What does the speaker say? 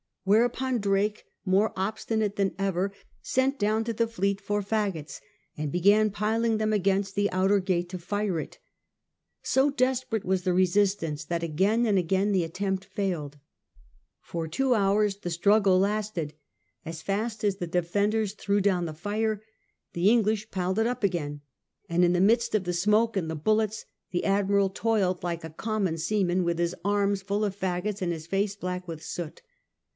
Whereupon Drake, more obstinate than ever, sent down to the fleet for faggots, and began piling them against the outer gate to fire it. So desperate was the resistance that again and again the attempt failed. For two hours the struggle lasted. As fast as the defenders threw down the fire, the English piled it up again; and in the midst of the smoke and the bullets the Admiral toiled like a common seaman, with his arms full of faggots and his face black with soot.